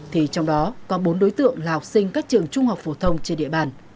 thì trong đó có bốn đối tượng là học sinh các trường trung học phổ thông trên địa bàn